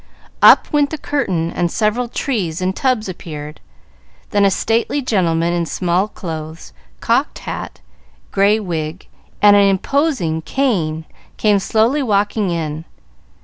Up went the curtain and several trees in tubs appeared, then a stately gentleman in small clothes, cocked hat, gray wig, and an imposing cane, came slowly walking in.